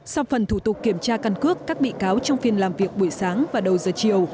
sau phần thủ tục kiểm tra căn cước các bị cáo trong phiên làm việc buổi sáng và đầu giờ chiều